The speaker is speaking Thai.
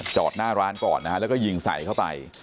จอดหน้าร้านก่อนนะฮะแล้วก็ยิงใส่เข้าไป